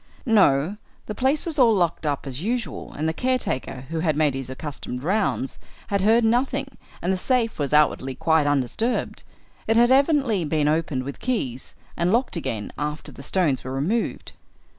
"No. The place was all locked up as usual, and the caretaker, who had made his accustomed rounds, had heard nothing, and the safe was, outwardly, quite undisturbed. It had evidently been opened with keys and locked again after the stones were removed."